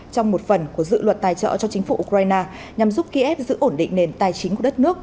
trong một phần của dự luật tài trợ cho chính phủ ukraine nhằm giúp kiev giữ ổn định nền tài chính của đất nước